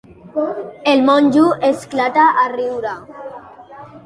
El monjo esclata a riure.